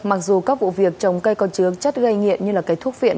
mặc dù các vụ việc trồng cây còn trướng chất gây nghiện như là cây thuốc viện